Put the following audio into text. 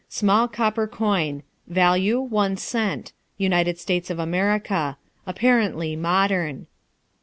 Small copper coin. Value one cent. United States of America. Apparently modern.